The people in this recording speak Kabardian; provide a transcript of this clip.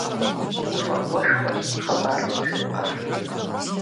Гуфӏэгъуэшхуэщ хъыбар къызжепӏар.